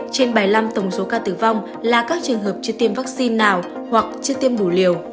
trên bảy mươi năm tổng số ca tử vong là các trường hợp chưa tiêm vaccine nào hoặc chưa tiêm đủ liều